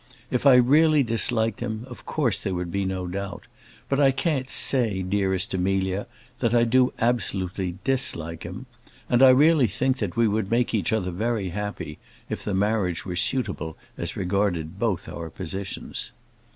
If I really disliked him, of course there would be no doubt; but I can't say, dearest Amelia, that I do absolutely dislike him; and I really think that we would make each other very happy, if the marriage were suitable as regarded both our positions.